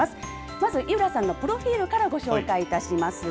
まず、井浦さんのプロフィールからご紹介いたします。